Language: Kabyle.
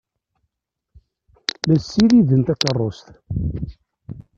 La ssiriden takeṛṛust.